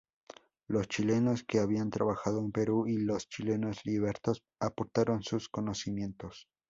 Los chilenos que habían trabajado en Perú y los chinos libertos aportaron sus conocimientos.